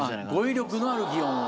語彙力のある擬音を。